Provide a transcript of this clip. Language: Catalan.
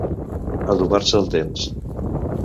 Adobar-se el temps.